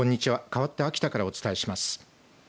かわって秋田からお伝えします。